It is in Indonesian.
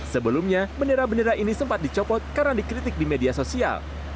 sebelumnya bendera bendera ini sempat dicopot karena dikritik di media sosial